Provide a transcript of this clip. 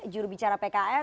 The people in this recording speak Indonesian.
juru bicara pkp